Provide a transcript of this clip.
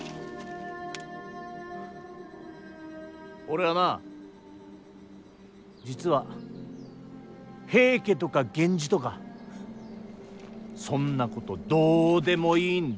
俺はな実は平家とか源氏とかそんなことどうでもいいんだ。